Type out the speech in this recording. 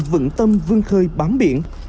vững tâm vương khơi bám biển